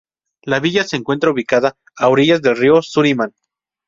La villa se encuentra ubicada a orillas del río Surinam.